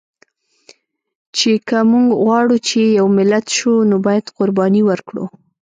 چې که مونږ غواړو چې یو ملت شو، نو باید قرباني ورکړو